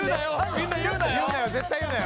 みんな言うなよ。